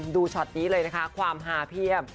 ช็อตนี้เลยนะคะความฮาเพียบ